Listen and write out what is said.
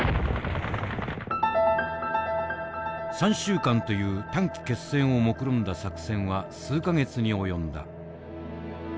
３週間という短期決戦をもくろんだ作戦は数か月に及んだ。